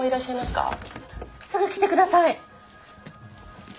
すぐ来てください！